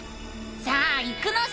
さあ行くのさ！